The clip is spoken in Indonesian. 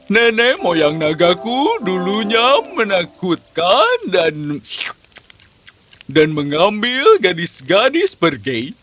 nenek moyang nagaku dulunya menakutkan dan mengambil gadis gadis pergi